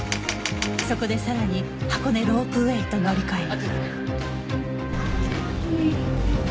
そこでさらに箱根ロープウェイへと乗り換える